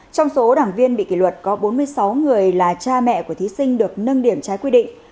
trong số đảng viên bị kỷ luật có bốn mươi sáu người là cha mẹ của thí sinh được nâng điểm trái quy định